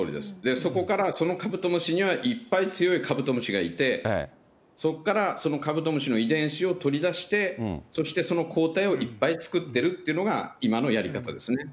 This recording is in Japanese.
そこからそのカブトムシには、いっぱい強いカブトムシがいて、そこからそのカブトムシの遺伝子を取り出して、そしてその抗体をいっぱい作ってるっていうのが、今のやり方ですね。